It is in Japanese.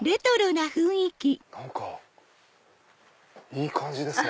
何かいい感じですね。